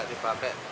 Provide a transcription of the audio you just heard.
buat kita aman